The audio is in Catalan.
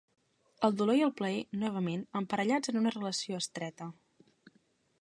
El dolor i el plaer, novament, emparellats en una relació estreta.